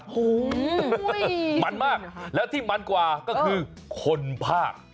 โอ้โหมันมากแล้วที่มันกว่าก็คือคนภาค